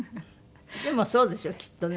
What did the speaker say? でもそうですよきっとね。